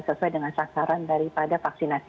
sesuai dengan sasaran daripada vaksinasi